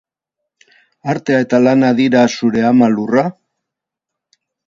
Artea eta lana dira zure ama lurra?